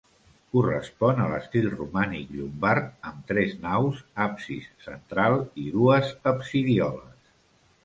Correspon a l'estil romànic llombard, amb tres naus, absis central i dues absidioles.